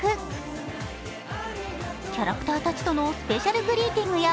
キャラクターたちとのスペシャルグリーティングや